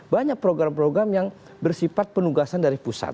banyak program program yang bersifat penugasan dari pusat